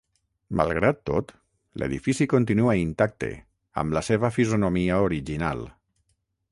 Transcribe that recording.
Malgrat tot, l’edifici continua intacte, amb la seva fisonomia original.